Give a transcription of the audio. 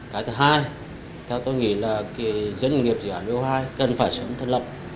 cái thứ hai theo tôi nghĩ là dân nghiệp dự án u hai cần phải sớm thân lập